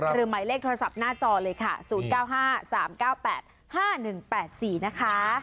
หมายเลขโทรศัพท์หน้าจอเลยค่ะ๐๙๕๓๙๘๕๑๘๔นะคะ